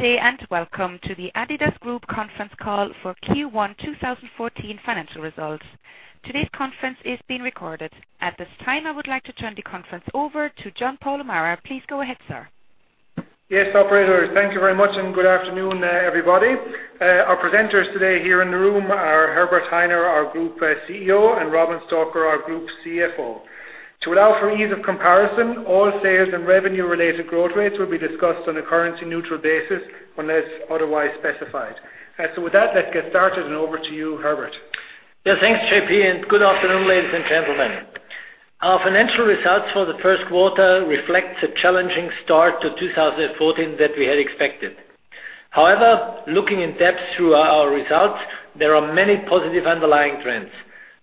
Good day, welcome to the adidas Group conference call for Q1 2014 financial results. Today's conference is being recorded. At this time, I would like to turn the conference over to John-Paul O'Meara. Please go ahead, sir. Yes, operator. Thank you very much, good afternoon, everybody. Our presenters today here in the room are Herbert Hainer, our Group CEO, and Robin Stalker, our Group CFO. To allow for ease of comparison, all sales and revenue-related growth rates will be discussed on a currency-neutral basis unless otherwise specified. With that, let's get started, Over to you, Herbert. Thanks, JP, good afternoon, ladies and gentlemen. Our financial results for the first quarter reflects a challenging start to 2014 that we had expected. Looking in depth through our results, there are many positive underlying trends.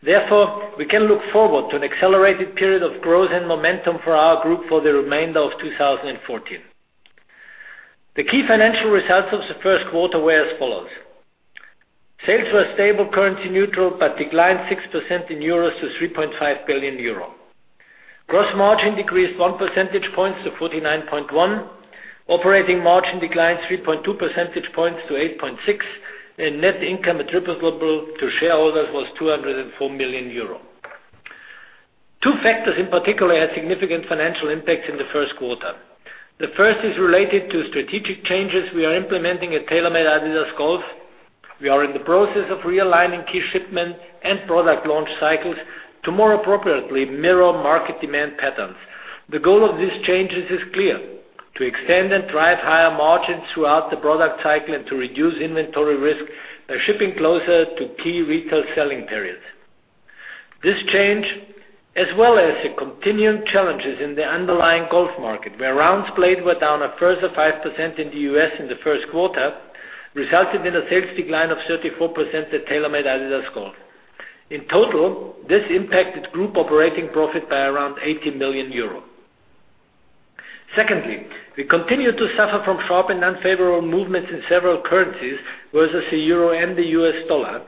We can look forward to an accelerated period of growth and momentum for our group for the remainder of 2014. The key financial results of the first quarter were as follows. Sales were stable currency neutral, but declined 6% in euros to 3.5 billion euro. Gross margin decreased one percentage point to 49.1%. Operating margin declined 3.2 percentage points to 8.6%, Net income attributable to shareholders was 204 million euro. Two factors in particular had significant financial impacts in the first quarter. The first is related to strategic changes we are implementing at TaylorMade-adidas Golf. We are in the process of realigning key shipments and product launch cycles to more appropriately mirror market demand patterns. The goal of these changes is clear, to extend and drive higher margins throughout the product cycle and to reduce inventory risk by shipping closer to key retail selling periods. This change, as well as the continuing challenges in the underlying golf market, where rounds played were down a further 5% in the U.S. in the first quarter, resulted in a sales decline of 34% at TaylorMade-adidas Golf. In total, this impacted group operating profit by around 80 million euros. We continue to suffer from sharp and unfavorable movements in several currencies versus the euro and the U.S. dollar,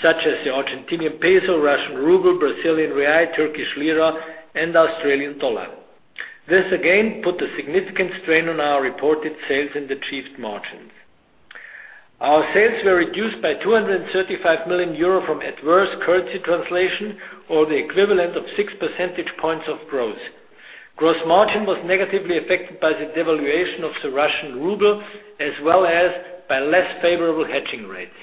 such as the Argentine peso, Russian ruble, Brazilian real, Turkish lira, and Australian dollar. Again put a significant strain on our reported sales and achieved margins. Our sales were reduced by 235 million euro from adverse currency translation, or the equivalent of six percentage points of growth. Gross margin was negatively affected by the devaluation of the Russian ruble as well as by less favorable hedging rates.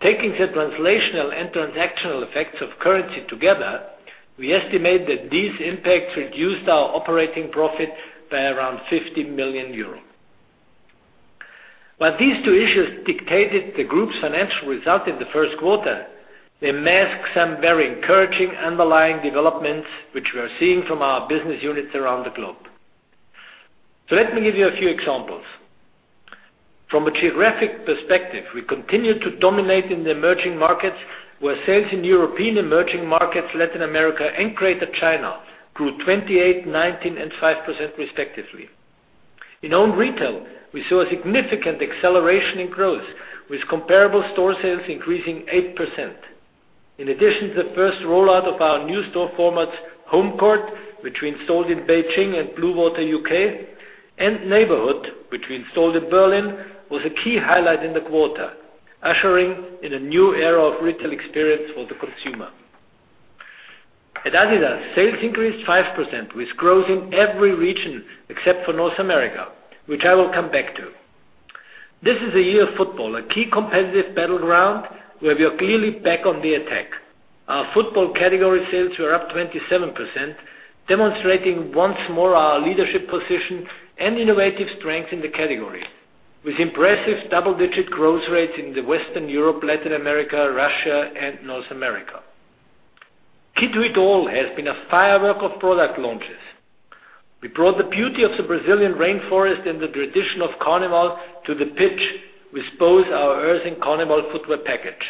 Taking the translational and transactional effects of currency together, we estimate that these impacts reduced our operating profit by around 50 million euros. While these two issues dictated the group's financial result in the first quarter, they mask some very encouraging underlying developments which we are seeing from our business units around the globe. Let me give you a few examples. From a geographic perspective, we continue to dominate in the emerging markets, where sales in European emerging markets, Latin America, and Greater China grew 28%, 19%, and 5% respectively. In owned retail, we saw a significant acceleration in growth, with comparable store sales increasing 8%. In addition to the first rollout of our new store formats, HomeCourt, which we installed in Beijing and Bluewater U.K., and Neighborhood, which we installed in Berlin, was a key highlight in the quarter, ushering in a new era of retail experience for the consumer. At adidas, sales increased 5% with growth in every region except for North America, which I will come back to. This is the year of football, a key competitive battleground, where we are clearly back on the attack. Our football category sales were up 27%, demonstrating once more our leadership position and innovative strength in the category, with impressive double-digit growth rates in the Western Europe, Latin America, Russia, and North America. Key to it all has been a firework of product launches. We brought the beauty of the Brazilian rainforest and the tradition of Carnival to the pitch with both our Earth and Carnival footwear package.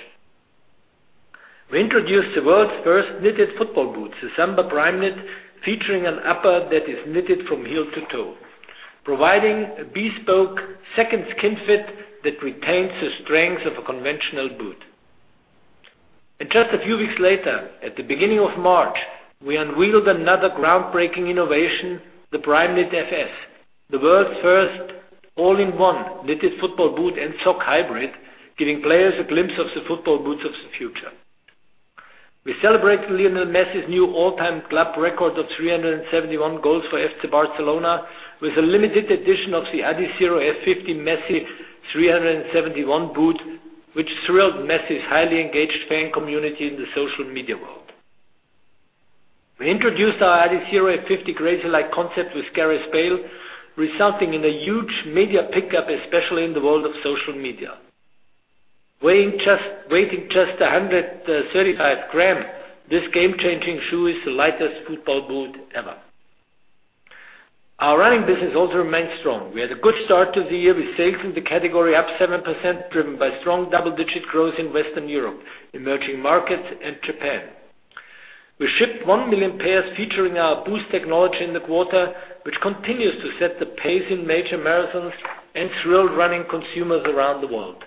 We introduced the world's first knitted football boot, the Samba Primeknit, featuring an upper that is knitted from heel to toe, providing a bespoke second-skin fit that retains the strength of a conventional boot. Just a few weeks later, at the beginning of March, we unveiled another groundbreaking innovation, the Primeknit FS, the world's first all-in-one knitted football boot and sock hybrid, giving players a glimpse of the football boots of the future. We celebrate Lionel Messi's new all-time club record of 371 goals for FC Barcelona with a limited edition of the Adizero F50 Messi 371 boot, which thrilled Messi's highly engaged fan community in the social media world. We introduced our Adizero F50 Crazylight concept with Gareth Bale, resulting in a huge media pickup, especially in the world of social media. Weighing just 135 grams, this game-changing shoe is the lightest football boot ever. Our running business also remains strong. We had a good start to the year with sales in the category up 7%, driven by strong double-digit growth in Western Europe, emerging markets, and Japan. We shipped 1 million pairs featuring our Boost technology in the quarter, which continues to set the pace in major marathons and thrill running consumers around the world.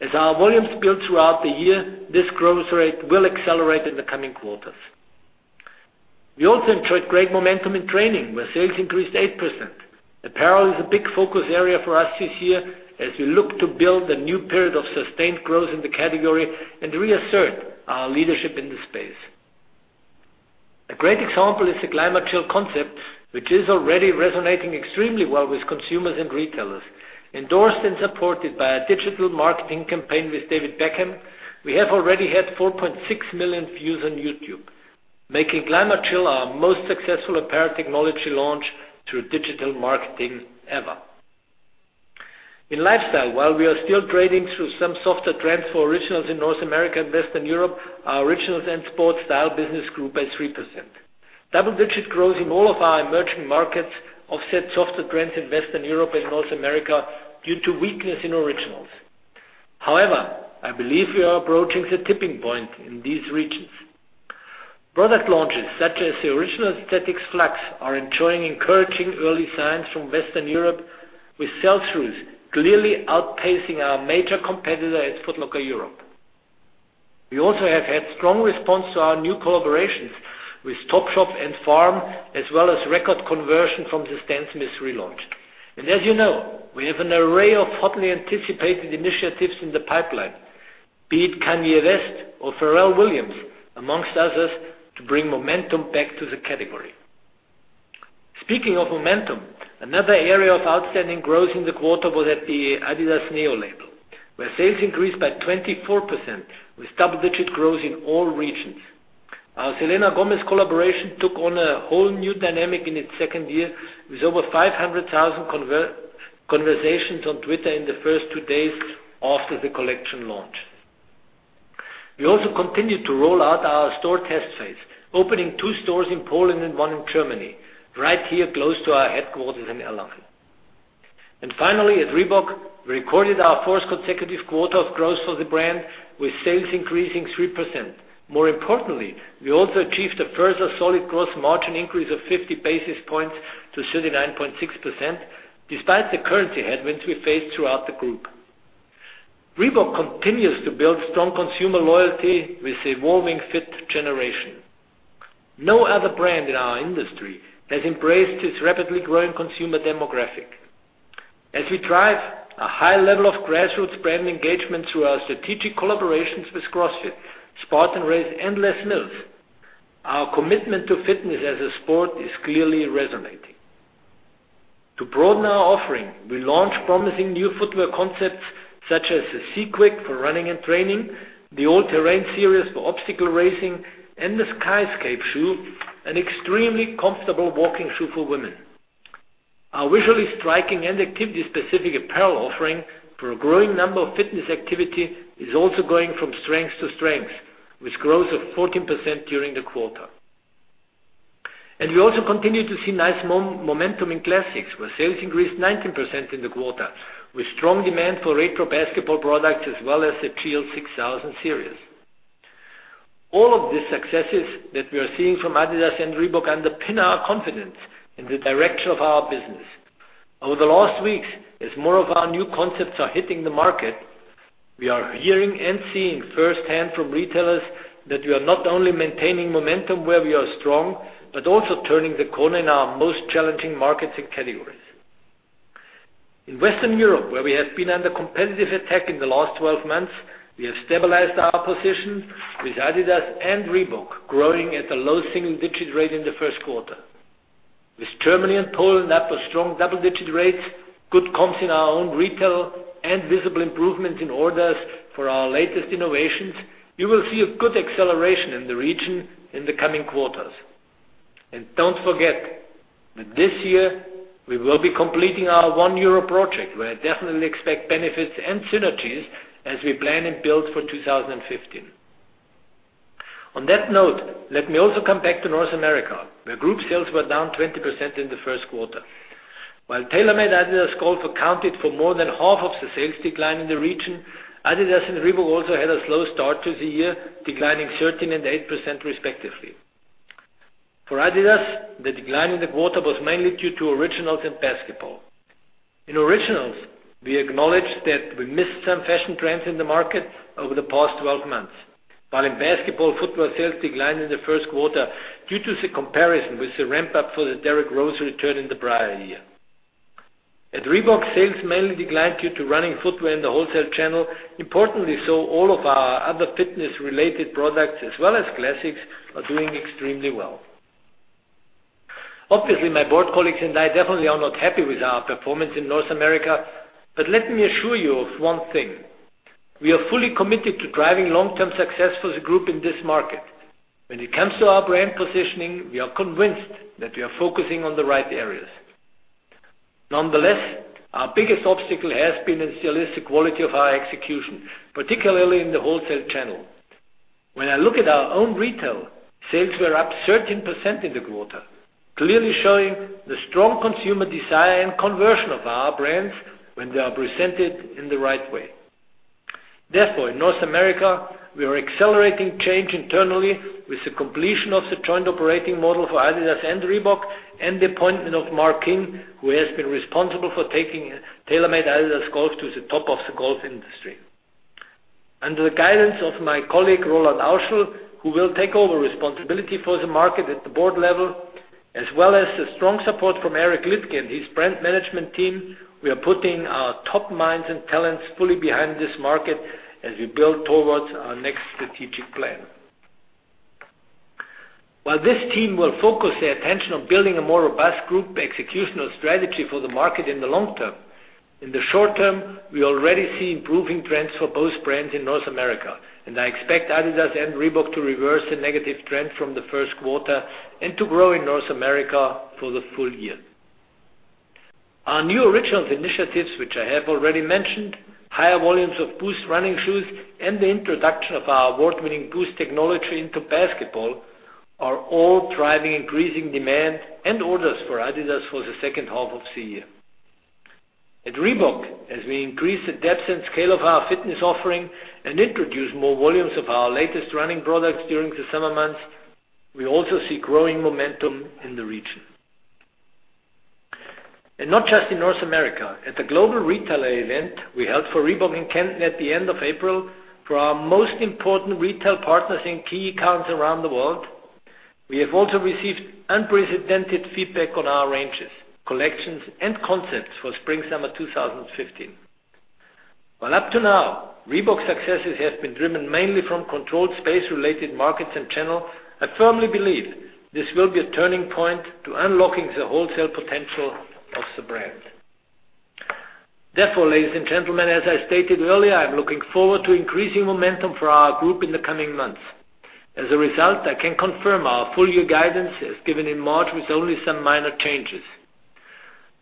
As our volumes build throughout the year, this growth rate will accelerate in the coming quarters. We also enjoyed great momentum in training, where sales increased 8%. Apparel is a big focus area for us this year, as we look to build a new period of sustained growth in the category and reassert our leadership in this space. A great example is the ClimaChill concept, which is already resonating extremely well with consumers and retailers. Endorsed and supported by a digital marketing campaign with David Beckham, we have already had 4.6 million views on youtube, making ClimaChill our most successful apparel technology launch through digital marketing ever. In lifestyle, while we are still trading through some softer trends for Originals in North America and Western Europe, our Originals and Sport Style business grew by 3%. Double-digit growth in all of our emerging markets offset softer trends in Western Europe and North America due to weakness in Originals. I believe we are approaching the tipping point in these regions. Product launches such as the Originals ZX Flux are enjoying encouraging early signs from Western Europe, with sell-throughs clearly outpacing our major competitor at Foot Locker Europe. We also have had strong response to our new collaborations with Topshop and FARM, as well as record conversion from the Stan Smith relaunch. As you know, we have an array of hotly anticipated initiatives in the pipeline, be it Kanye West or Pharrell Williams, amongst others, to bring momentum back to the category. Speaking of momentum, another area of outstanding growth in the quarter was at the adidas NEO label, where sales increased by 24%, with double-digit growth in all regions. Our Selena Gomez collaboration took on a whole new dynamic in its second year, with over 500,000 conversations on Twitter in the first two days after the collection launch. We also continued to roll out our store test phase, opening two stores in Poland and one in Germany, right here close to our headquarters in Erlangen. Finally, at Reebok, we recorded our first consecutive quarter of growth for the brand, with sales increasing 3%. More importantly, we also achieved a further solid gross margin increase of 50 basis points to 39.6%, despite the currency headwinds we faced throughout the group. Reebok continues to build strong consumer loyalty with the evolving fit generation. No other brand in our industry has embraced this rapidly growing consumer demographic. As we drive a high level of grassroots brand engagement through our strategic collaborations with CrossFit, Spartan Race, and Les Mills, our commitment to fitness as a sport is clearly resonating. To broaden our offering, we launched promising new footwear concepts such as the ZQuick for running and training, the All Terrain series for obstacle racing, and the Skyscape shoe, an extremely comfortable walking shoe for women. Our visually striking and activity-specific apparel offering for a growing number of fitness activity is also going from strength to strength, with growth of 14% during the quarter. We also continue to see nice momentum in Classics, where sales increased 19% in the quarter, with strong demand for retro basketball products as well as the GL 6000 series. All of these successes that we are seeing from adidas and Reebok underpin our confidence in the direction of our business. Over the last weeks, as more of our new concepts are hitting the market, we are hearing and seeing firsthand from retailers that we are not only maintaining momentum where we are strong, but also turning the corner in our most challenging markets and categories. In Western Europe, where we have been under competitive attack in the last 12 months, we have stabilized our position with adidas and Reebok growing at a low single-digit rate in the first quarter. With Germany and Poland up a strong double-digit rates, good comps in our own retail, and visible improvements in orders for our latest innovations, you will see a good acceleration in the region in the coming quarters. Don't forget that this year, we will be completing our one Europe project, where I definitely expect benefits and synergies as we plan and build for 2015. On that note, let me also come back to North America, where group sales were down 20% in the first quarter. While TaylorMade-adidas Golf accounted for more than half of the sales decline in the region, adidas and Reebok also had a slow start to the year, declining 13% and 8% respectively. For adidas, the decline in the quarter was mainly due to Originals and basketball. In Originals, we acknowledge that we missed some fashion trends in the market over the past 12 months. While in basketball, footwear sales declined in the first quarter due to the comparison with the ramp-up for the Derrick Rose return in the prior year. At Reebok, sales mainly declined due to running footwear in the wholesale channel. Importantly, all of our other fitness-related products, as well as Classics, are doing extremely well. Obviously, my board colleagues and I definitely are not happy with our performance in North America, let me assure you of one thing. We are fully committed to driving long-term success for the group in this market. When it comes to our brand positioning, we are convinced that we are focusing on the right areas. Nonetheless, our biggest obstacle has been and still is the quality of our execution, particularly in the wholesale channel. When I look at our own retail, sales were up 13% in the quarter, clearly showing the strong consumer desire and conversion of our brands when they are presented in the right way. Therefore, in North America, we are accelerating change internally with the completion of the joint operating model for adidas and Reebok and the appointment of Mark King, who has been responsible for taking TaylorMade-adidas Golf to the top of the golf industry. Under the guidance of my colleague, Roland Auschel, who will take over responsibility for the market at the board level, as well as the strong support from Eric Liedtke and his brand management team, we are putting our top minds and talents fully behind this market as we build towards our next strategic plan. This team will focus their attention on building a more robust group executional strategy for the market in the long term, in the short term, we already see improving trends for both brands in North America. I expect adidas and Reebok to reverse the negative trend from the first quarter and to grow in North America for the full year. Our new Originals initiatives, which I have already mentioned, higher volumes of Boost running shoes, and the introduction of our award-winning Boost technology into basketball, are all driving increasing demand and orders for adidas for the second half of the year. At Reebok, as we increase the depth and scale of our Fitness Training offering and introduce more volumes of our latest running products during the summer months, we also see growing momentum in the region. Not just in North America. At the global retailer event we held for Reebok in Canton at the end of April for our most important retail partners in key accounts around the world, we have also received unprecedented feedback on our ranges, collections, and concepts for spring/summer 2015. While up to now, Reebok's successes have been driven mainly from controlled space-related markets and channels, I firmly believe this will be a turning point to unlocking the wholesale potential of the brand. Therefore, ladies and gentlemen, as I stated earlier, I am looking forward to increasing momentum for our group in the coming months. As a result, I can confirm our full-year guidance as given in March with only some minor changes.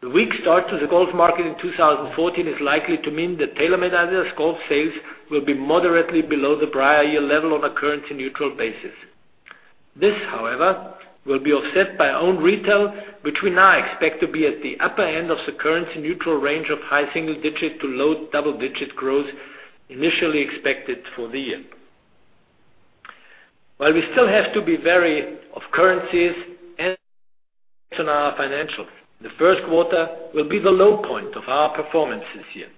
The weak start to the golf market in 2014 is likely to mean that TaylorMade-adidas Golf sales will be moderately below the prior year level on a currency-neutral basis. This, however, will be offset by owned retail, which we now expect to be at the upper end of the currency-neutral range of high single-digit to low double-digit growth initially expected for the year. While we still have to be wary of currencies and on our financials, the first quarter will be the low point of our performance this year.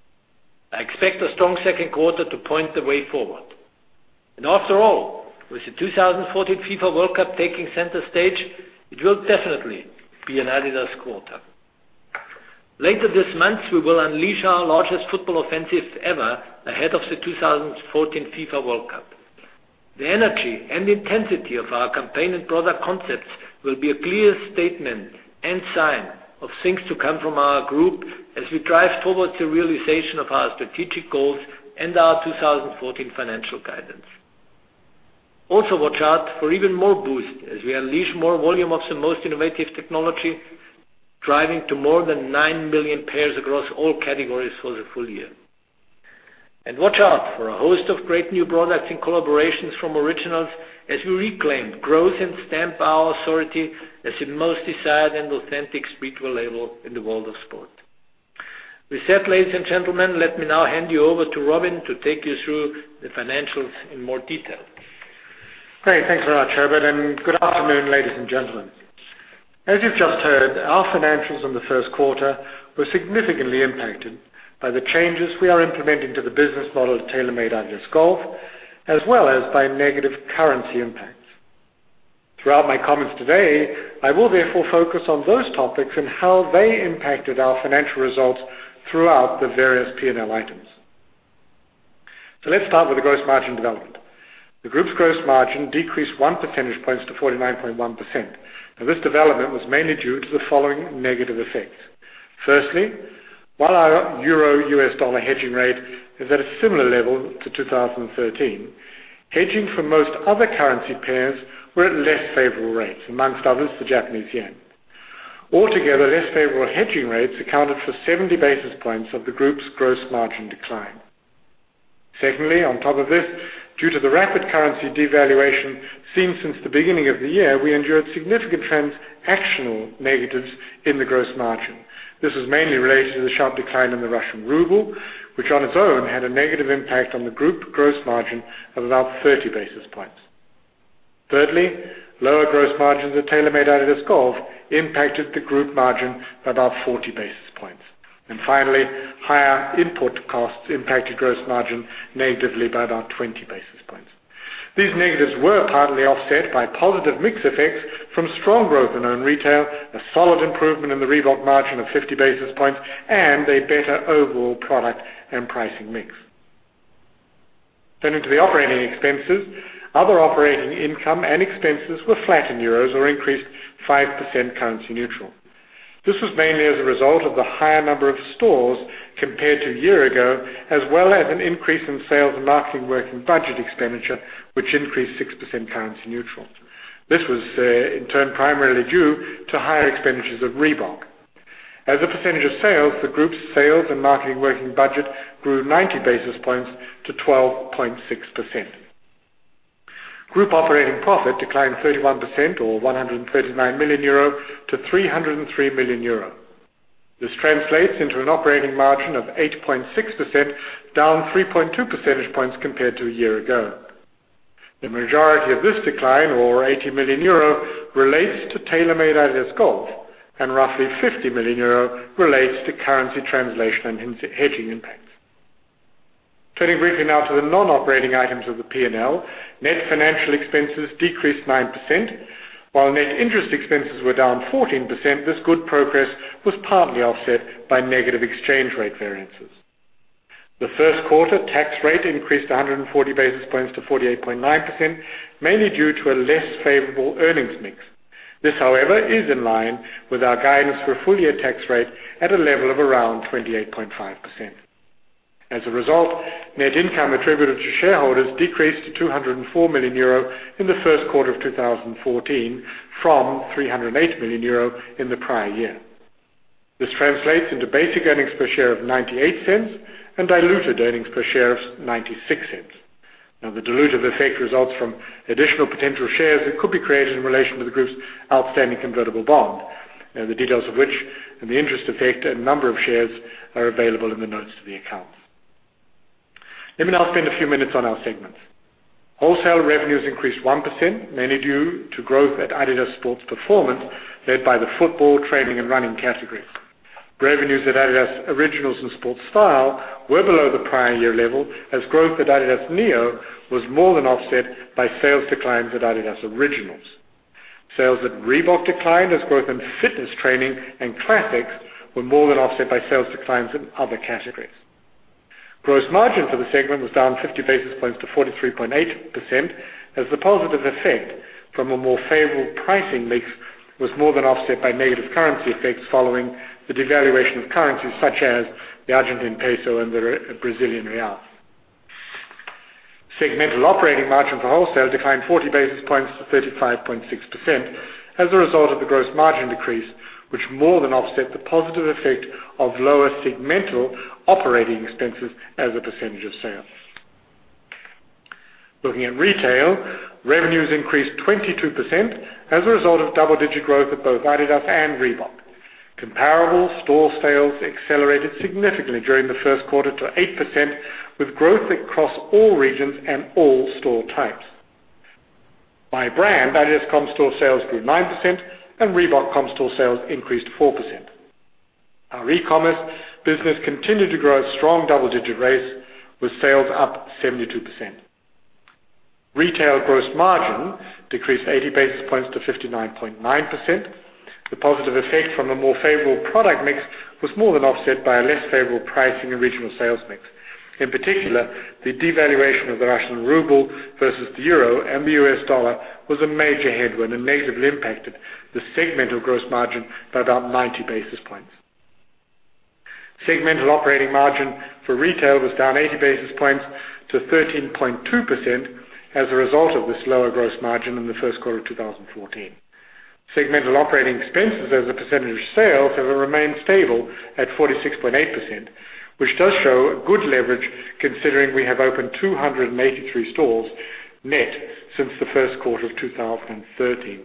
I expect a strong second quarter to point the way forward. After all, with the 2014 FIFA World Cup taking center stage, it will definitely be an adidas quarter. Later this month, we will unleash our largest football offensive ever ahead of the 2014 FIFA World Cup. The energy and intensity of our campaign and product concepts will be a clear statement and sign of things to come from our group as we drive towards the realization of our strategic goals and our 2014 financial guidance. Also watch out for even more Boost as we unleash more volume of the most innovative technology, driving to more than 9 million pairs across all categories for the full year. Watch out for a host of great new products and collaborations from Originals as we reclaim growth and stamp our authority as the most desired and authentic streetwear label in the world of sport. With that, ladies and gentlemen, let me now hand you over to Robin to take you through the financials in more detail. Great. Thanks a lot, Herbert, and good afternoon, ladies and gentlemen. As you've just heard, our financials in the first quarter were significantly impacted by the changes we are implementing to the business model at TaylorMade-adidas Golf, as well as by negative currency impacts. Throughout my comments today, I will therefore focus on those topics and how they impacted our financial results throughout the various P&L items. Let's start with the gross margin development. The group's gross margin decreased one percentage point to 49.1%. This development was mainly due to the following negative effects. Firstly, while our EUR-U.S. dollar hedging rate is at a similar level to 2013, hedging for most other currency pairs were at less favorable rates, amongst others, the Japanese yen. Altogether, less favorable hedging rates accounted for 70 basis points of the group's gross margin decline. Secondly, on top of this, due to the rapid currency devaluation seen since the beginning of the year, we endured significant transactional negatives in the gross margin. This was mainly related to the sharp decline in the Russian ruble, which on its own had a negative impact on the group gross margin of about 30 basis points. Thirdly, lower gross margins at TaylorMade-adidas Golf impacted the group margin by about 40 basis points. Finally, higher input costs impacted gross margin negatively by about 20 basis points. These negatives were partly offset by positive mix effects from strong growth in owned retail, a solid improvement in the Reebok margin of 50 basis points, and a better overall product and pricing mix. Turning to the operating expenses, other operating income and expenses were flat in EUR or increased 5% currency neutral. This was mainly as a result of the higher number of stores compared to a year ago, as well as an increase in sales and marketing working budget expenditure, which increased 6% currency neutral. This was, in turn, primarily due to higher expenditures of Reebok. As a percentage of sales, the group's sales and marketing working budget grew 90 basis points to 12.6%. Group operating profit declined 31% or 139 million euro to 303 million euro. This translates into an operating margin of 8.6%, down 3.2 percentage points compared to a year ago. The majority of this decline, over 80 million euro, relates to TaylorMade-adidas Golf, and roughly 50 million euro relates to currency translation and hedging impacts. Turning briefly now to the non-operating items of the P&L, net financial expenses decreased 9%. While net interest expenses were down 14%, this good progress was partly offset by negative exchange rate variances. The first quarter tax rate increased 140 basis points to 48.9%, mainly due to a less favorable earnings mix. This, however, is in line with our guidance for a full-year tax rate at a level of around 28.5%. As a result, net income attributed to shareholders decreased to 204 million euro in the first quarter of 2014 from 308 million euro in the prior year. This translates into basic earnings per share of 0.98 and diluted earnings per share of 0.96. The dilutive effect results from additional potential shares that could be created in relation to the group's outstanding convertible bond, the details of which and the interest effect and number of shares are available in the notes to the accounts. Let me now spend a few minutes on our segments. Wholesale revenues increased 1%, mainly due to growth at adidas Sport Performance, led by the football, training, and running categories. Revenues at adidas Originals and Sport Style were below the prior year level, as growth at adidas NEO was more than offset by sales declines at adidas Originals. Sales at Reebok declined as growth in Fitness Training and Classics were more than offset by sales declines in other categories. Gross margin for the segment was down 50 basis points to 43.8%, as the positive effect from a more favorable pricing mix was more than offset by negative currency effects following the devaluation of currencies such as the Argentine peso and the Brazilian real. Segmental operating margin for wholesale declined 40 basis points to 35.6% as a result of the gross margin decrease, which more than offset the positive effect of lower segmental operating expenses as a percentage of sales. Looking at retail, revenues increased 22% as a result of double-digit growth at both adidas and Reebok. Comparable store sales accelerated significantly during the first quarter to 8%, with growth across all regions and all store types. By brand, adidas comp store sales grew 9%, and Reebok comp store sales increased 4%. Our e-commerce business continued to grow at strong double-digit rates, with sales up 72%. Retail gross margin decreased 80 basis points to 59.9%. The positive effect from a more favorable product mix was more than offset by a less favorable pricing and regional sales mix. In particular, the devaluation of the Russian ruble versus the euro and the US dollar was a major headwind and negatively impacted the segmental gross margin by about 90 basis points. Segmental operating margin for retail was down 80 basis points to 13.2% as a result of this lower gross margin in the first quarter of 2014. Segmental operating expenses as a percentage of sales have remained stable at 46.8%, which does show good leverage considering we have opened 283 stores net since the first quarter of 2013.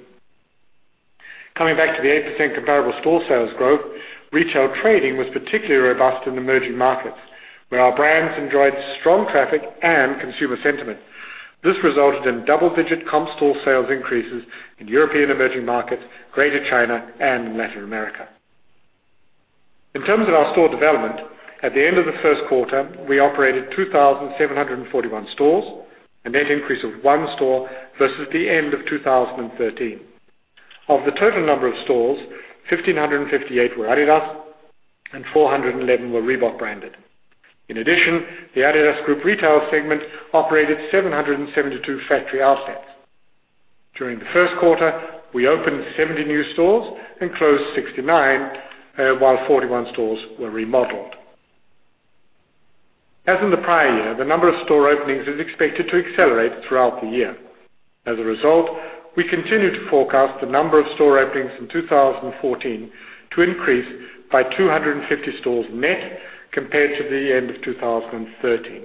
Coming back to the 8% comparable store sales growth, retail trading was particularly robust in emerging markets, where our brands enjoyed strong traffic and consumer sentiment. This resulted in double-digit comp store sales increases in European emerging markets, Greater China, and Latin America. In terms of our store development, at the end of the first quarter, we operated 2,741 stores, a net increase of one store versus the end of 2013. Of the total number of stores, 1,558 were adidas and 411 were Reebok branded. In addition, the adidas Group retail segment operated 772 factory outlets. During the first quarter, we opened 70 new stores and closed 69, while 41 stores were remodeled. As in the prior year, the number of store openings is expected to accelerate throughout the year. As a result, we continue to forecast the number of store openings in 2014 to increase by 250 stores net compared to the end of 2013.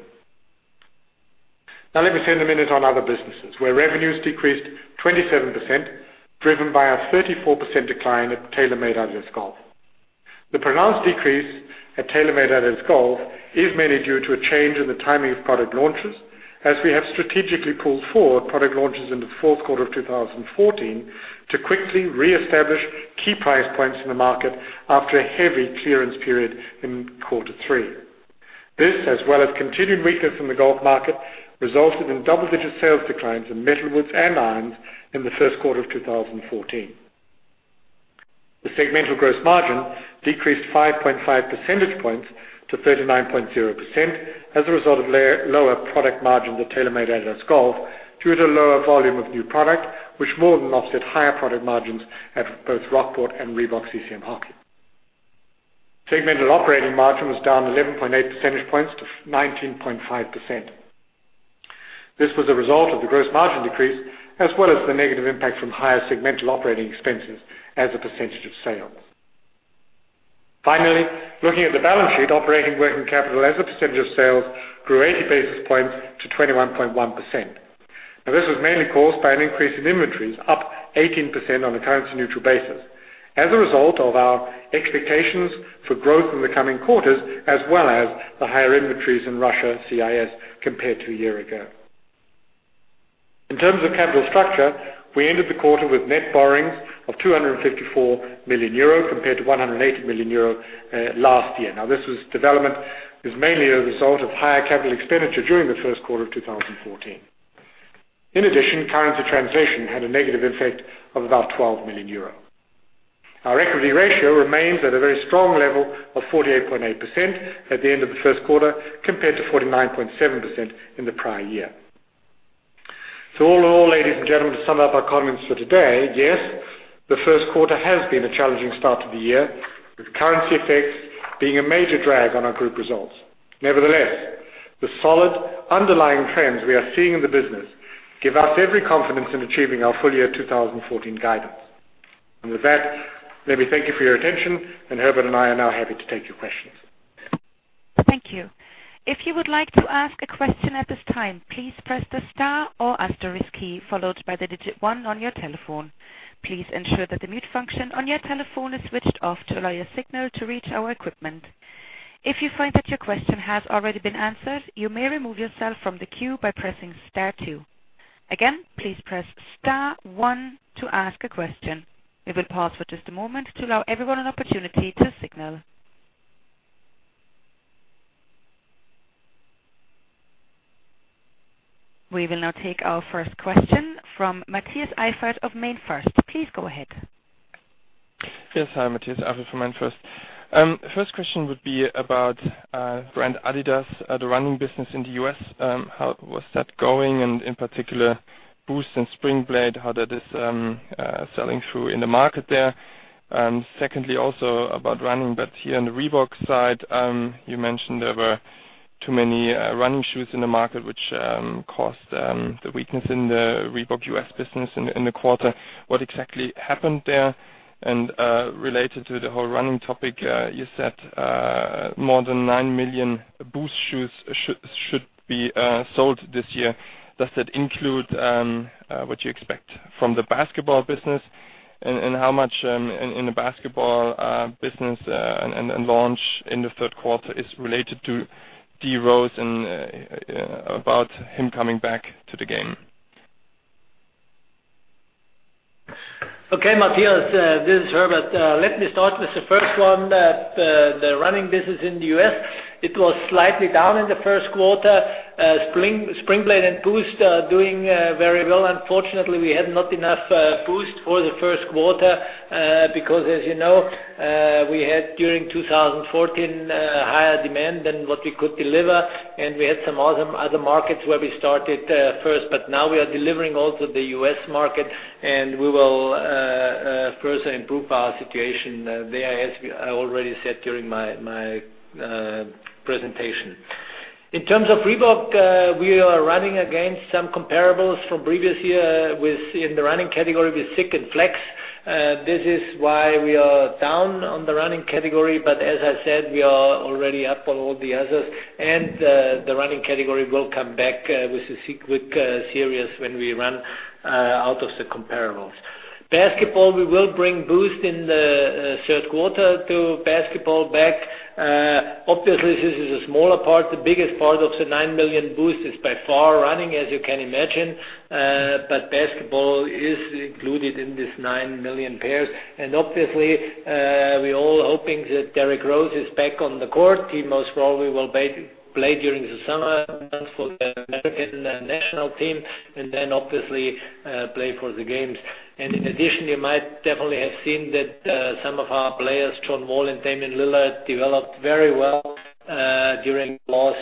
Now let me spend a minute on other businesses, where revenues decreased 27%, driven by a 34% decline at TaylorMade-adidas Golf. The pronounced decrease at TaylorMade-adidas Golf is mainly due to a change in the timing of product launches, as we have strategically pulled forward product launches into the fourth quarter of 2014 to quickly reestablish key price points in the market after a heavy clearance period in quarter three. This, as well as continued weakness in the golf market, resulted in double-digit sales declines in metalwoods and irons in the first quarter of 2014. The segmental gross margin decreased 5.5 percentage points to 39.0% as a result of lower product margin at TaylorMade-adidas Golf due to lower volume of new product, which more than offset higher product margins at both Rockport and Reebok-CCM Hockey. Segmental operating margin was down 11.8 percentage points to 19.5%. This was a result of the gross margin decrease, as well as the negative impact from higher segmental operating expenses as a percentage of sales. Finally, looking at the balance sheet, operating working capital as a percentage of sales grew 80 basis points to 21.1%. This was mainly caused by an increase in inventories, up 18% on a currency-neutral basis, as a result of our expectations for growth in the coming quarters, as well as the higher inventories in Russia CIS compared to a year ago. In terms of capital structure, we ended the quarter with net borrowings of 254 million euro compared to 180 million euro last year. This development is mainly a result of higher capital expenditure during the first quarter of 2014. In addition, currency translation had a negative effect of about 12 million euro. Our equity ratio remains at a very strong level of 48.8% at the end of the first quarter, compared to 49.7% in the prior year. All in all, ladies and gentlemen, to sum up our comments for today, yes, the first quarter has been a challenging start to the year, with currency effects being a major drag on our group results. Nevertheless, the solid underlying trends we are seeing in the business give us every confidence in achieving our full year 2014 guidance. With that, let me thank you for your attention, and Herbert and I are now happy to take your questions. Thank you. If you would like to ask a question at this time, please press the star or asterisk key followed by the digit one on your telephone. Please ensure that the mute function on your telephone is switched off to allow your signal to reach our equipment. If you find that your question has already been answered, you may remove yourself from the queue by pressing star two. Again, please press star one to ask a question. We will pause for just a moment to allow everyone an opportunity to signal. We will now take our first question from Matthias Eifert of MainFirst. Please go ahead. Yes. Hi, Matthias Eifert from MainFirst. First question would be about brand adidas, the running business in the U.S. How was that going, and in particular, Boost and Springblade, how that is selling through in the market there? Secondly, also about running, but here on the Reebok side, you mentioned there were too many running shoes in the market, which caused the weakness in the Reebok U.S. business in the quarter. What exactly happened there? Related to the whole running topic, you said more than 9 million Boost shoes should be sold this year. Does that include what you expect from the basketball business? How much in the basketball business and launch in the third quarter is related to Derrick Rose and about him coming back to the game? Okay, Matthias, this is Herbert. Let me start with the first one. The running business in the U.S., it was slightly down in the first quarter. Springblade and Boost are doing very well. Unfortunately, we had not enough Boost for the first quarter, because as you know, we had, during 2014, higher demand than what we could deliver. We had some other markets where we started first. Now we are delivering also the U.S. market, and we will further improve our situation there, as I already said during my presentation. In terms of Reebok, we are running against some comparables from previous year in the running category with ZQuick and Flex. This is why we are down on the running category. As I said, we are already up on all the others, and the running category will come back with the ZQuick series when we run out of the comparables. Basketball, we will bring Boost in the third quarter to basketball back. Obviously, this is a smaller part. The biggest part of the 9 million Boost is by far running, as you can imagine. Basketball is included in this 9 million pairs. Obviously, we're all hoping that Derrick Rose is back on the court. He most probably will play during the summer for the American National Team and then obviously play for the games. In addition, you might definitely have seen that some of our players, John Wall and Damian Lillard, developed very well during last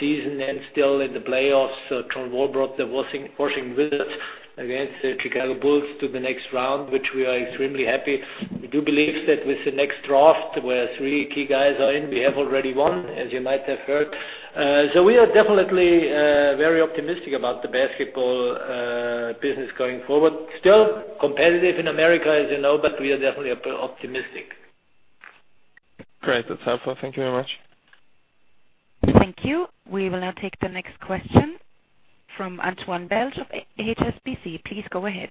season and still in the playoffs. John Wall brought the Washington Wizards against the Chicago Bulls to the next round, which we are extremely happy. We do believe that with the next draft, where three key guys are in, we have already won, as you might have heard. We are definitely very optimistic about the basketball business going forward. Still competitive in America, as you know, but we are definitely optimistic. Great. That's helpful. Thank you very much. Thank you. We will now take the next question from Antoine Bellefroid of HSBC. Please go ahead.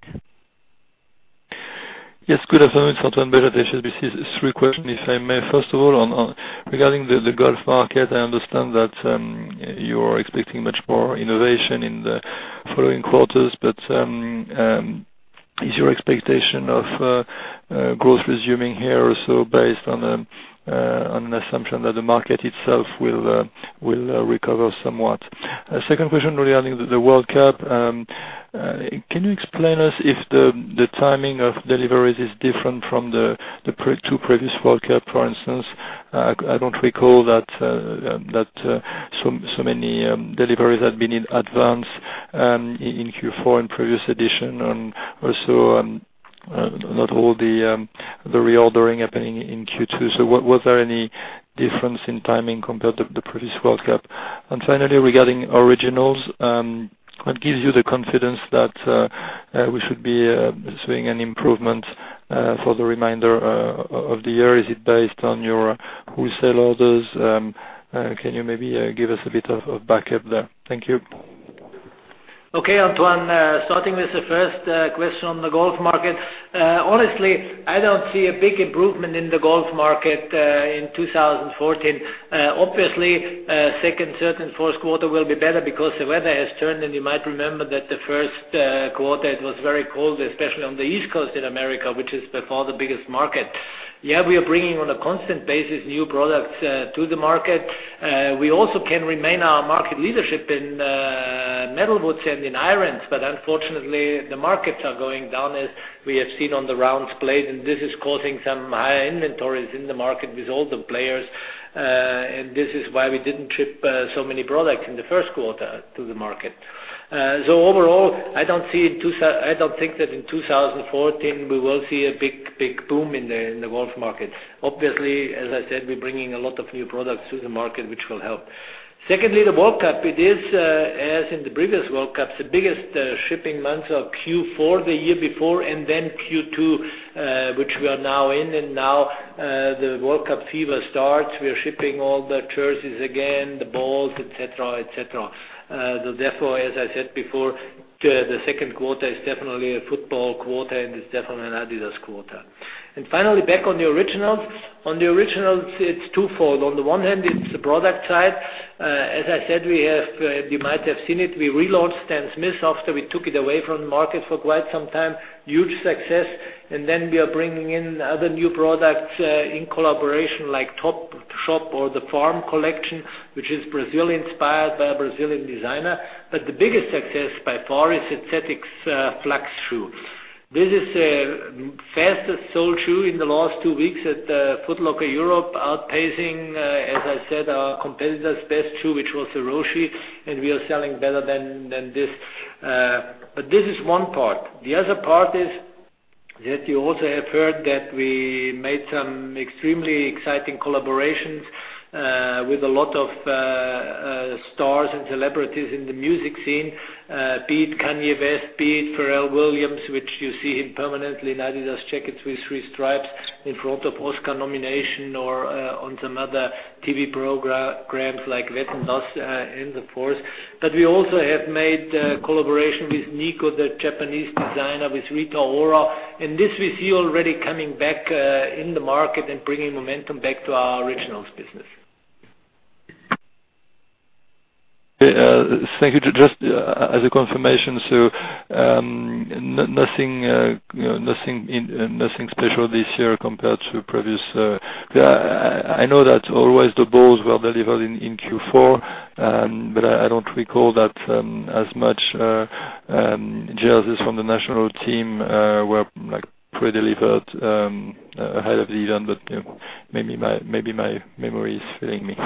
Yes, good afternoon. It's Antoine Bellefroid, HSBC. Three question, if I may. First of all, regarding the golf market, I understand that you are expecting much more innovation in the following quarters, but is your expectation of growth resuming here also based on an assumption that the market itself will recover somewhat? Second question regarding the World Cup. Can you explain us if the timing of deliveries is different from the two previous World Cup, for instance? I don't recall that so many deliveries had been in advance in Q4 in previous edition and also not all the reordering happening in Q2. Was there any difference in timing compared to the previous World Cup? Finally, regarding Originals, what gives you the confidence that we should be seeing an improvement for the remainder of the year? Is it based on your wholesale orders? Can you maybe give us a bit of backup there? Thank you. Okay, Antoine. Starting with the first question on the golf market. Honestly, I don't see a big improvement in the golf market in 2014. Obviously, second, third, and fourth quarter will be better because the weather has turned, and you might remember that the first quarter, it was very cold, especially on the East Coast in the U.S., which is by far the biggest market. Yeah, we are bringing on a constant basis new products to the market. We also can remain our market leadership in metalwoods and in irons. Unfortunately, the markets are going down as we have seen on the rounds played, and this is causing some higher inventories in the market with all the players. This is why we didn't ship so many products in the first quarter to the market. Overall, I don't think that in 2014 we will see a big boom in the golf market. Obviously, as I said, we're bringing a lot of new products to the market, which will help. Secondly, the World Cup, it is as in the previous World Cup, the biggest shipping months are Q4 the year before, and then Q2 which we are now in. Now the World Cup fever starts. We are shipping all the jerseys again, the balls, et cetera. Therefore, as I said before, the second quarter is definitely a football quarter, and it's definitely an adidas quarter. Finally, back on the Originals. On the Originals, it's twofold. On the one hand, it's the product side. As I said, you might have seen it, we relaunched Stan Smith after we took it away from the market for quite some time. Huge success. Then we are bringing in other new products in collaboration, like Topshop or the FARM Rio collection, which is Brazil-inspired by a Brazilian designer. The biggest success by far is ZX Flux shoe. This is the fastest-sold shoe in the last two weeks at Foot Locker Europe, outpacing, as I said, our competitor's best shoe, which was the Roshe, and we are selling better than this. This is one part. The other part is that you also have heard that we made some extremely exciting collaborations with a lot of stars and celebrities in the music scene. Be it Kanye West, be it Pharrell Williams, which you see him permanently in adidas jackets with three stripes in front of Oscar nomination or on some other TV programs like "Wetten, dass..?" and so forth. We also have made a collaboration with Nigo, the Japanese designer, with Rita Ora, and this we see already coming back in the market and bringing momentum back to our Originals business. Thank you. Just as a confirmation, nothing special this year compared to previous. I know that always the balls were delivered in Q4, but I don't recall that as much jerseys from the national team were pre-delivered ahead of the event, but maybe my memory is failing me.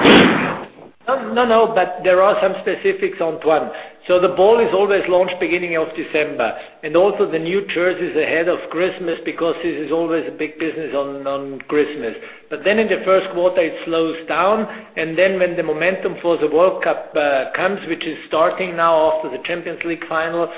No, there are some specifics, Antoine. The ball is always launched at the beginning of December and also the new jerseys ahead of Christmas because this is always a big business on Christmas. In the first quarter, it slows down, and when the momentum for the World Cup comes, which is starting now after the Champions League final,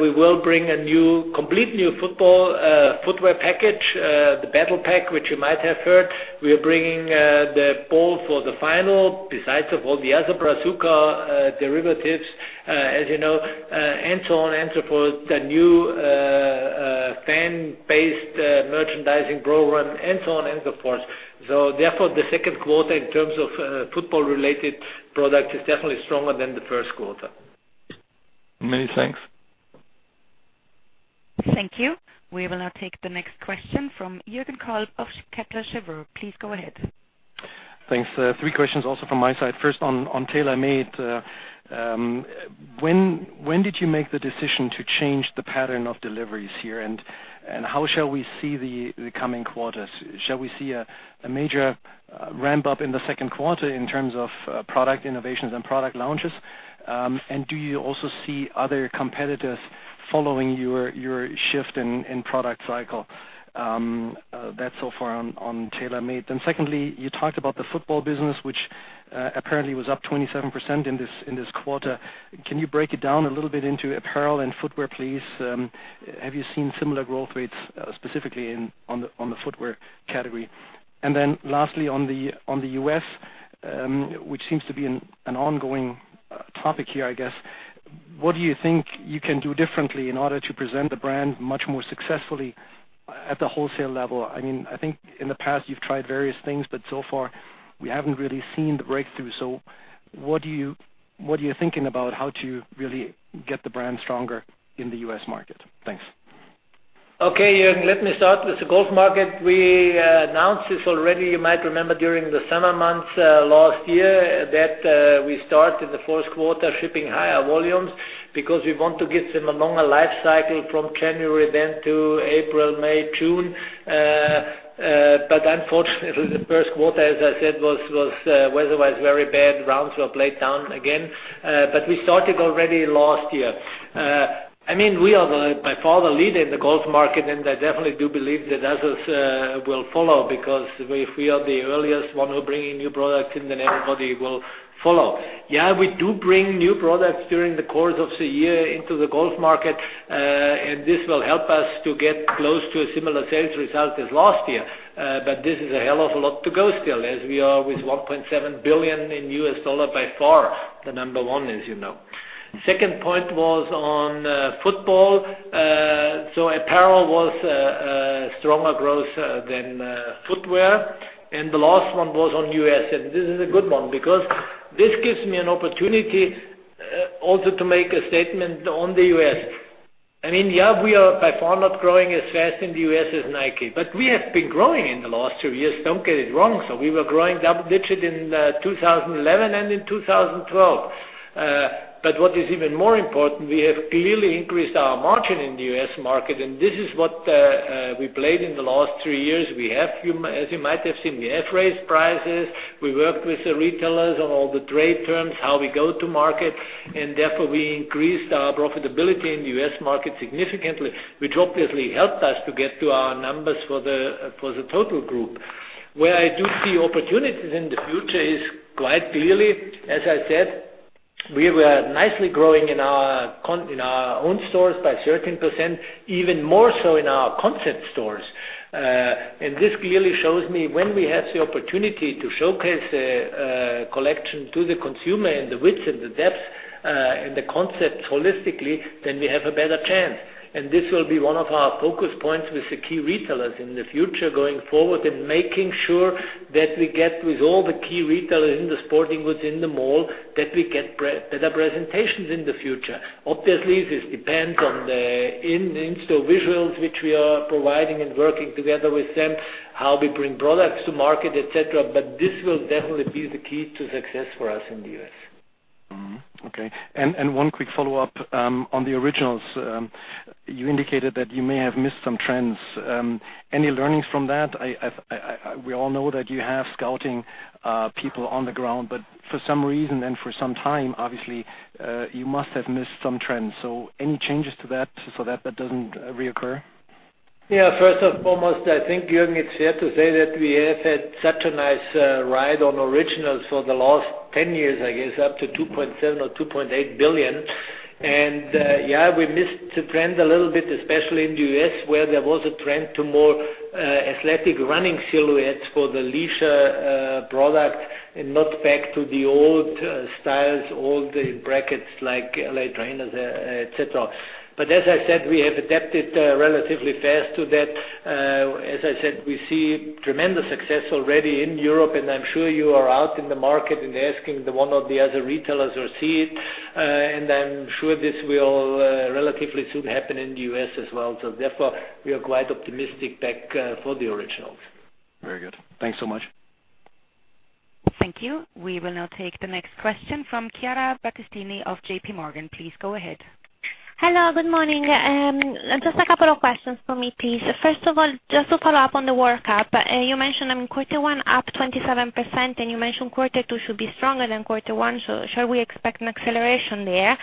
we will bring a complete new football footwear package, the Battle Pack, which you might have heard. We are bringing the ball for the final besides of all the other Brazuca derivatives, as you know, and so on and so forth. The new fan-based merchandising program, and so on and so forth. The second quarter in terms of football-related product is definitely stronger than the first quarter. Many thanks. Thank you. We will now take the next question from Jürgen Kolb of Kepler Cheuvreux. Please go ahead. Thanks. Three questions also from my side. First, on TaylorMade. When did you make the decision to change the pattern of deliveries here, and how shall we see the coming quarters? Shall we see a major ramp-up in the second quarter in terms of product innovations and product launches? Do you also see other competitors following your shift in product cycle? That's so far on TaylorMade. Secondly, you talked about the football business, which apparently was up 27% in this quarter. Can you break it down a little bit into apparel and footwear, please? Have you seen similar growth rates specifically on the footwear category? Lastly, on the U.S., which seems to be an ongoing topic here, I guess, what do you think you can do differently in order to present the brand much more successfully at the wholesale level? I think in the past, you've tried various things, so far, we haven't really seen the breakthrough. What are you thinking about how to really get the brand stronger in the U.S. market? Thanks. Okay, Jürgen, let me start with the golf market. We announced this already, you might remember during the summer months last year that we start in the fourth quarter shipping higher volumes because we want to give them a longer life cycle from January then to April, May, June. Unfortunately, the first quarter, as I said, was weather-wise very bad. Rounds were played down again. We started already last year. We are by far the leader in the golf market, I definitely do believe that others will follow because if we are the earliest one who are bringing new products in, everybody will follow. Yeah, we do bring new products during the course of the year into the golf market, this will help us to get close to a similar sales result as last year. This is a hell of a lot to go still, as we are with $1.7 billion in U.S. dollar by far the number one, as you know. Second point was on football. Apparel was a stronger growth than footwear. The last one was on U.S., and this is a good one because this gives me an opportunity also to make a statement on the U.S. Yes, we are by far not growing as fast in the U.S. as Nike, but we have been growing in the last two years. Don't get it wrong. We were growing double digit in 2011 and in 2012. What is even more important, we have clearly increased our margin in the U.S. market. This is what we played in the last three years. As you might have seen, we have raised prices. We worked with the retailers on all the trade terms, how we go to market, and therefore, we increased our profitability in the U.S. market significantly, which obviously helped us to get to our numbers for the total group. Where I do see opportunities in the future is quite clearly, as I said, we were nicely growing in our own stores by 13%, even more so in our concept stores. This clearly shows me when we have the opportunity to showcase a collection to the consumer and the width and the depth and the concept holistically, then we have a better chance. This will be one of our focus points with the key retailers in the future going forward and making sure that we get with all the key retailers in the sporting goods in the mall, that we get better presentations in the future. Obviously, this depends on the in-store visuals which we are providing and working together with them, how we bring products to market, et cetera, but this will definitely be the key to success for us in the U.S. Okay. One quick follow-up on the adidas Originals. You indicated that you may have missed some trends. Any learnings from that? We all know that you have scouting people on the ground, for some reason and for some time, obviously, you must have missed some trends. Any changes to that so that that doesn't reoccur? Yeah. First and foremost, I think, Jürgen, it's fair to say that we have had such a nice ride on adidas Originals for the last 10 years, I guess, up to 2.7 billion or 2.8 billion. Yeah, we missed the trend a little bit, especially in the U.S., where there was a trend to more athletic running silhouettes for the leisure product and not back to the old styles, old brackets like LA Trainer, et cetera. As I said, we have adapted relatively fast to that. As I said, we see tremendous success already in Europe, and I'm sure you are out in the market and asking the one or the other retailers who see it, and I'm sure this will relatively soon happen in the U.S. as well. Therefore, we are quite optimistic back for the adidas Originals. Very good. Thanks so much. Thank you. We will now take the next question from Chiara Battistini of JPMorgan. Please go ahead. Hello, good morning. Just a couple of questions from me, please. First of all, just to follow up on the World Cup. You mentioned in quarter one up 27%, you mentioned quarter two should be stronger than quarter one, shall we expect an acceleration there?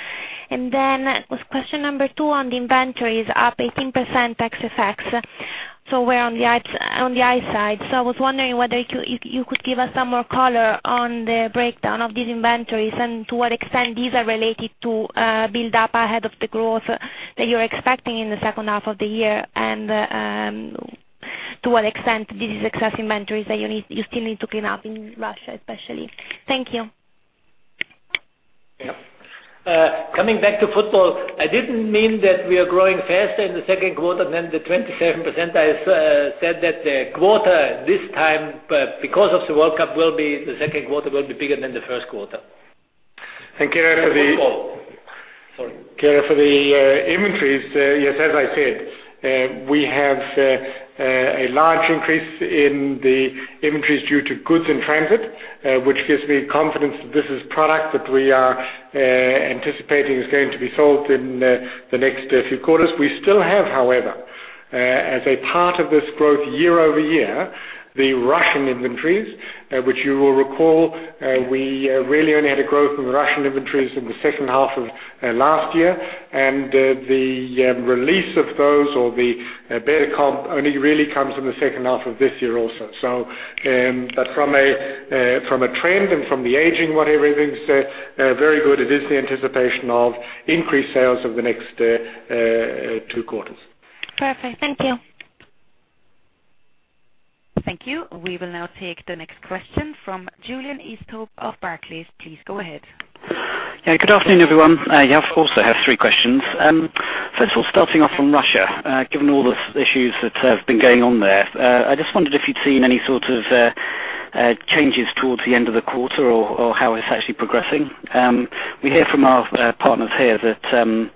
Then question number 2 on the inventories up 18% ex effects. We're on the high side. I was wondering whether you could give us some more color on the breakdown of these inventories and to what extent these are related to build up ahead of the growth that you're expecting in the second half of the year, and to what extent this is excess inventories that you still need to clean up in Russia, especially. Thank you. Coming back to football, I didn't mean that we are growing faster in the second quarter than the 27%. I said that the quarter this time, because of the World Cup, the second quarter will be bigger than the first quarter. Chiara, for the inventories, yes, as I said, we have a large increase in the inventories due to goods in transit, which gives me confidence that this is product that we are anticipating is going to be sold in the next few quarters. We still have, however, as a part of this growth year-over-year, the Russian inventories, which you will recall, we really only had a growth in Russian inventories in the second half of last year. The release of those or the beta comp only really comes in the second half of this year also. From a trend and from the aging, everything's very good. It is the anticipation of increased sales over the next two quarters. Perfect. Thank you. Thank you. We will now take the next question from Julian Easthope of Barclays. Please go ahead. Yeah, good afternoon, everyone. I also have three questions. First of all, starting off from Russia, given all the issues that have been going on there, I just wondered if you'd seen any sort of changes towards the end of the quarter or how it's actually progressing. We hear from our partners here that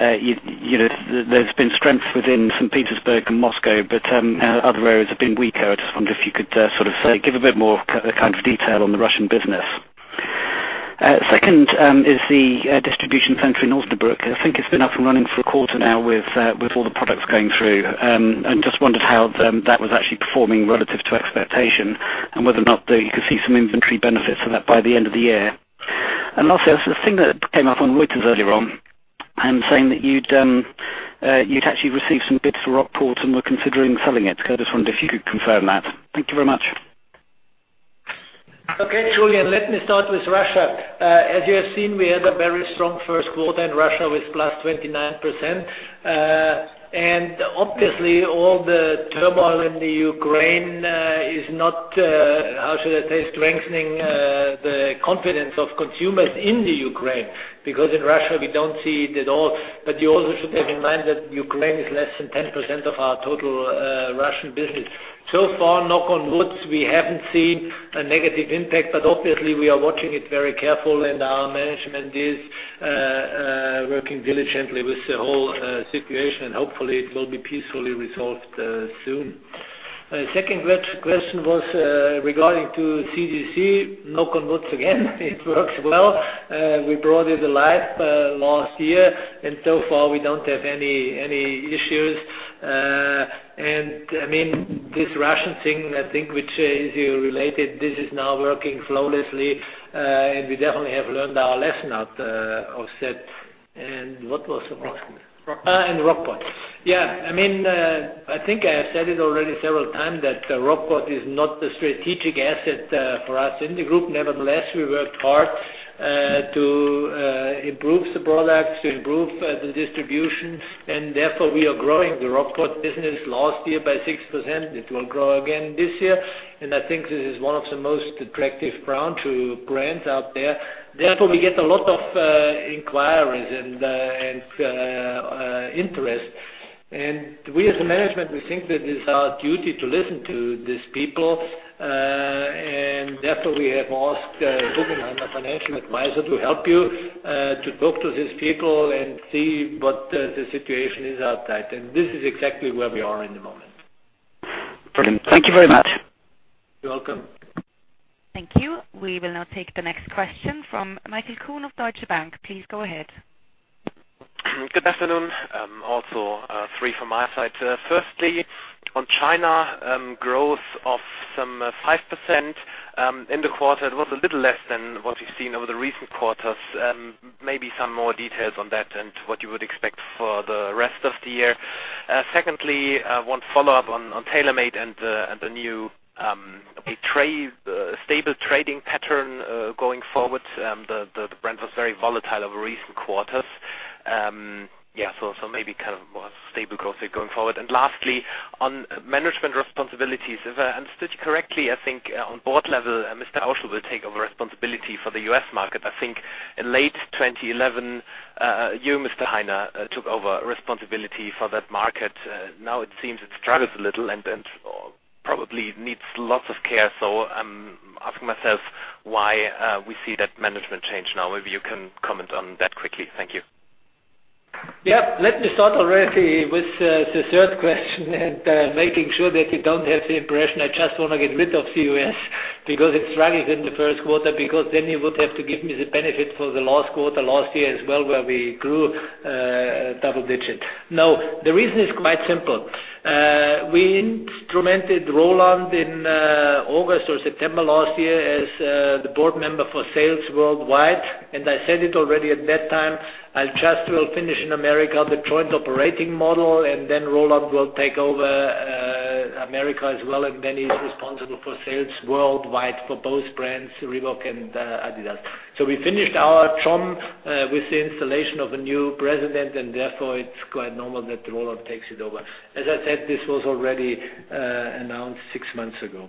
there's been strength within St. Petersburg and Moscow, but other areas have been weaker. I just wondered if you could sort of give a bit more kind of detail on the Russian business. Second is the distribution center in Osnabrück. I think it's been up and running for a quarter now with all the products going through, and just wondered how that was actually performing relative to expectation and whether or not you could see some inventory benefits from that by the end of the year. And lastly, there was a thing that came up on Reuters earlier on saying that you'd actually received some bids for Rockport and were considering selling it. I just wondered if you could confirm that. Thank you very much. Okay, Julian, let me start with Russia. As you have seen, we had a very strong first quarter in Russia with +29%. And obviously, all the turmoil in Ukraine is not How should I say, strengthening the confidence of consumers in Ukraine, because in Russia we don't see it at all. But you also should have in mind that Ukraine is less than 10% of our total Russian business. So far, knock on wood, we haven't seen a negative impact, but obviously we are watching it very carefully, and our management is working diligently with the whole situation, and hopefully it will be peacefully resolved soon. Second question was regarding to CDC. Knock on wood again, it works well. We brought it alive last year, and so far we don't have any issues. And this Russian thing, I think, which is related, this is now working flawlessly. And we definitely have learned our lesson out of that. And what was the last one? Rockport. Rockport. Yeah. I think I have said it already several times that Rockport is not a strategic asset for us in the group. Nevertheless, we worked hard to improve the products, to improve the distribution, and therefore we are growing the Rockport business. Last year by 6%. It will grow again this year, and I think this is one of the most attractive brands out there. Therefore, we get a lot of inquiries and interest. We, as the management, we think that it's our duty to listen to these people. Therefore, we have asked Guggenheim, a financial advisor, to help you to talk to these people and see what the situation is outside. This is exactly where we are at the moment. Brilliant. Thank you very much. You're welcome. Thank you. We will now take the next question from Michael Kuhn of Deutsche Bank. Please go ahead. Good afternoon. Also three from my side. Firstly, on China, growth of some 5% in the quarter. It was a little less than what we've seen over the recent quarters. Maybe some more details on that and what you would expect for the rest of the year. Secondly, one follow-up on TaylorMade and the new stable trading pattern going forward. The brand was very volatile over recent quarters. Maybe kind of more stable growth rate going forward. Lastly, on management responsibilities. If I understood correctly, I think on board level, Mr. Auschel will take over responsibility for the U.S. market. I think in late 2011, you, Herbert Hainer, took over responsibility for that market. Now it seems it struggles a little and probably needs lots of care. I'm asking myself why we see that management change now. Maybe you can comment on that quickly. Thank you. Let me start already with the third question and making sure that you don't have the impression I just want to get rid of the U.S. because it's struggling in the first quarter, because then you would have to give me the benefit for the last quarter last year as well, where we grew double digits. No, the reason is quite simple. We instrumented Roland in August or September last year as the board member for sales worldwide. I said it already at that time, I just will finish in America the joint operating model, and then Roland will take over America as well, and then he's responsible for sales worldwide for both brands, Reebok and adidas. We finished our TOM with the installation of a new president, and therefore it's quite normal that Roland takes it over. As I said, this was already announced six months ago.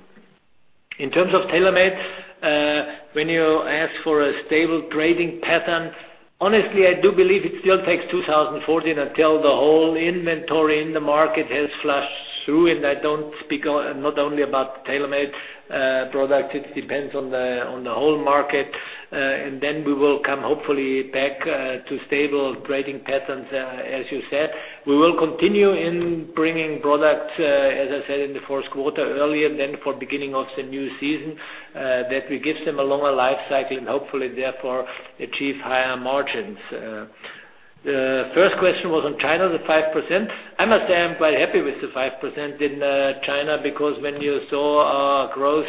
In terms of TaylorMade, when you ask for a stable trading pattern, honestly, I do believe it still takes 2014 until the whole inventory in the market has flushed through, and I don't speak not only about TaylorMade products. It depends on the whole market. Then we will come, hopefully, back to stable trading patterns, as you said. We will continue in bringing products, as I said in the first quarter earlier, than for beginning of the new season, that we give them a longer life cycle and hopefully therefore achieve higher margins. The first question was on China, the 5%. I must say I'm quite happy with the 5% in China because when you saw our growth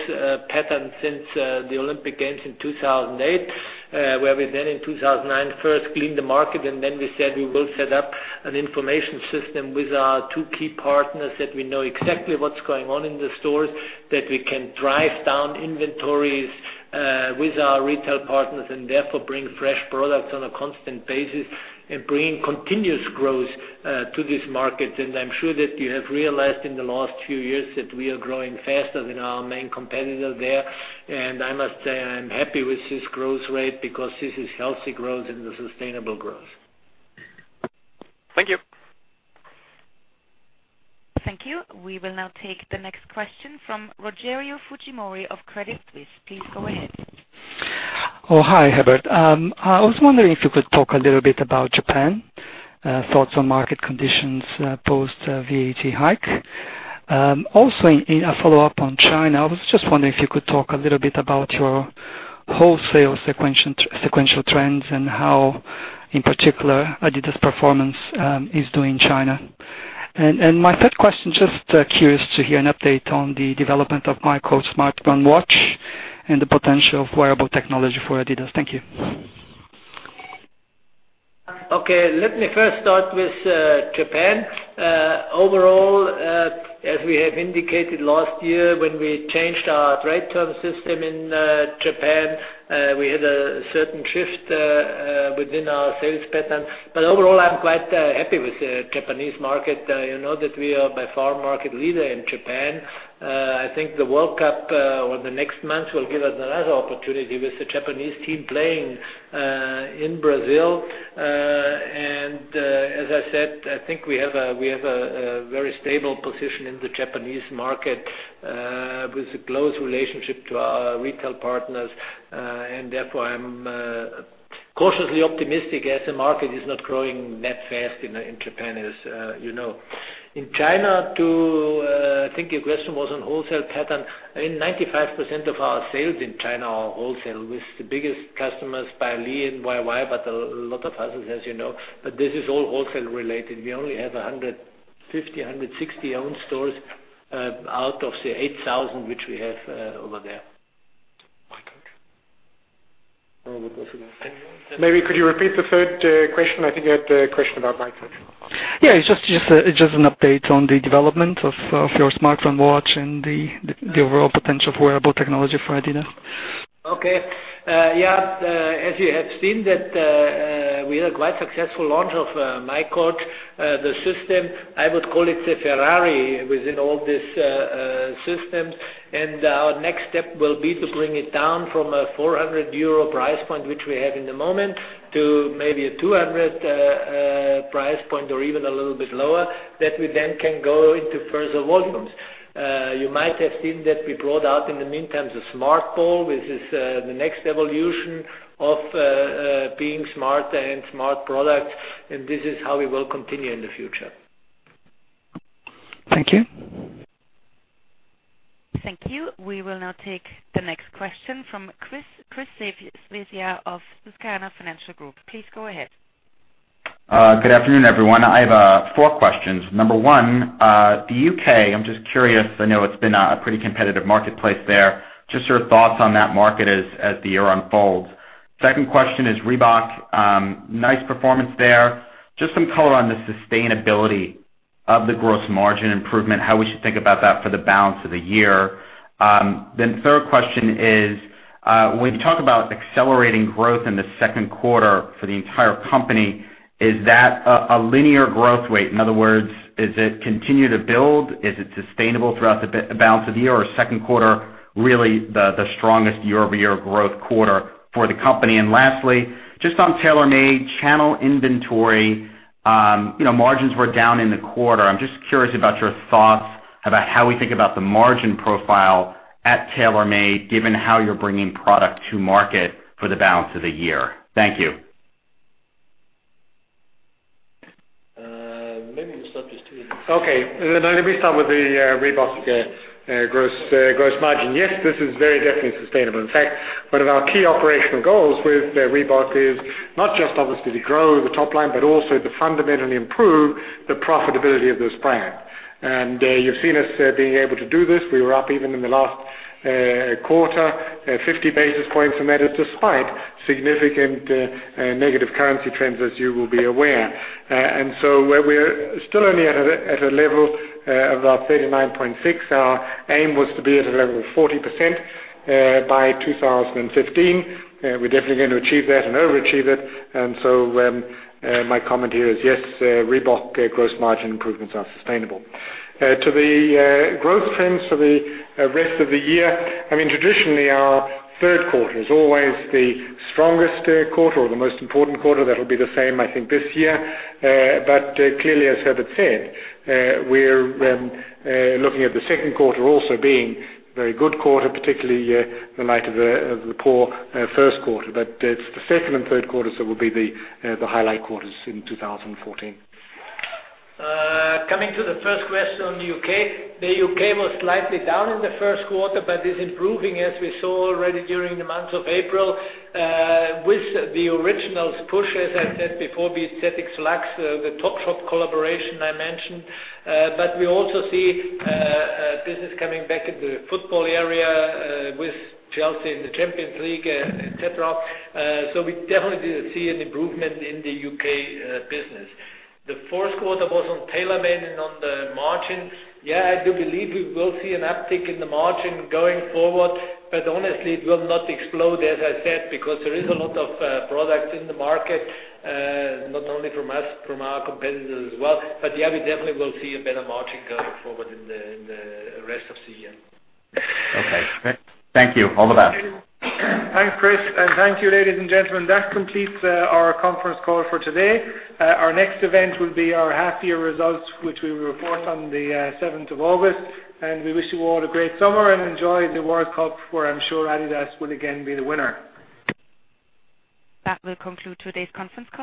pattern since the Olympic Games in 2008, where we then in 2009 first cleaned the market and then we said we will set up an information system with our two key partners, that we know exactly what's going on in the stores, that we can drive down inventories with our retail partners and therefore bring fresh products on a constant basis and bring continuous growth to this market. I'm sure that you have realized in the last few years that we are growing faster than our main competitor there. I must say, I'm happy with this growth rate because this is healthy growth and sustainable growth. Thank you. Thank you. We will now take the next question from Rogerio Fujimori of Credit Suisse. Please go ahead. Hi, Herbert. I was wondering if you could talk a little bit about Japan, thoughts on market conditions post VAT hike. Also, a follow-up on China. I was just wondering if you could talk a little bit about your wholesale sequential trends and how, in particular, adidas performance is doing in China. My third question, just curious to hear an update on the development of miCoach smartphone watch and the potential of wearable technology for adidas. Thank you. Let me first start with Japan. Overall, as we have indicated last year when we changed our trade term system in Japan, we had a certain shift within our sales pattern. Overall, I'm quite happy with the Japanese market. You know that we are by far market leader in Japan. I think the World Cup over the next month will give us another opportunity with the Japanese team playing in Brazil. As I said, I think we have a very stable position in the Japanese market with a close relationship to our retail partners. Therefore, I'm cautiously optimistic as the market is not growing that fast in Japan, as you know. In China, I think your question was on wholesale pattern. 95% of our sales in China are wholesale with the biggest customers, Belle and YY, but a lot of others, as you know. This is all wholesale-related. We only have 150, 160 own stores out of the 8,000 which we have over there. miCoach. Maybe could you repeat the third question? I think you had a question about miCoach. Yeah, it's just an update on the development of your smartphone watch and the overall potential of wearable technology for adidas. Okay. Yeah, as you have seen that we had a quite successful launch of miCoach. The system, I would call it the Ferrari within all these systems. Our next step will be to bring it down from a 400 euro price point, which we have at the moment, to maybe a 200 price point or even a little bit lower, that we then can go into further volumes. You might have seen that we brought out in the meantime, the smart ball. This is the next evolution of being smart and smart products, and this is how we will continue in the future. Thank you. Thank you. We will now take the next question from Christopher Svezia of Susquehanna Financial Group. Please go ahead. Good afternoon, everyone. I have four questions. Number one, the U.K., I'm just curious, I know it's been a pretty competitive marketplace there. Just your thoughts on that market as the year unfolds. Second question is Reebok. Nice performance there. Just some color on the sustainability of the gross margin improvement, how we should think about that for the balance of the year. Third question is, when you talk about accelerating growth in the second quarter for the entire company, is that a linear growth rate? In other words, does it continue to build? Is it sustainable throughout the balance of the year? Or second quarter really the strongest year-over-year growth quarter for the company? Lastly, just on TaylorMade, channel inventory. Margins were down in the quarter. I'm just curious about your thoughts about how we think about the margin profile at TaylorMade, given how you're bringing product to market for the balance of the year. Thank you. Maybe we'll start with Steve. Okay. Let me start with the Reebok gross margin. Yes, this is very definitely sustainable. In fact, one of our key operational goals with Reebok is not just obviously to grow the top line, but also to fundamentally improve the profitability of this brand. You've seen us being able to do this. We were up even in the last quarter, 50 basis points from that, despite significant negative currency trends, as you will be aware. While we're still only at a level of about 39.6%, our aim was to be at a level of 40% by 2015. We're definitely going to achieve that and overachieve it. My comment here is, yes, Reebok gross margin improvements are sustainable. To the growth trends for the rest of the year, traditionally, our third quarter is always the strongest quarter or the most important quarter. That'll be the same, I think, this year. Clearly, as Herbert said, we're looking at the second quarter also being a very good quarter, particularly in light of the poor first quarter. It's the second and third quarters that will be the highlight quarters in 2014. Coming to the first question on the U.K. The U.K. was slightly down in the first quarter, but is improving as we saw already during the month of April. With the adidas Originals push, as I said before, be it ZX Flux, the Topshop collaboration I mentioned. We also see business coming back in the football area with Chelsea in the Champions League, et cetera. We definitely see an improvement in the U.K. business. The fourth quarter was on TaylorMade and on the margin. Yeah, I do believe we will see an uptick in the margin going forward, but honestly, it will not explode, as I said, because there is a lot of products in the market, not only from us, from our competitors as well. Yeah, we definitely will see a better margin going forward in the rest of the year. Okay. Thank you. All the best. Thanks, Chris. Thank you, ladies and gentlemen. That completes our conference call for today. Our next event will be our half-year results, which we will report on the 7th of August. We wish you all a great summer. Enjoy the World Cup, where I'm sure adidas will again be the winner. That will conclude today's conference call.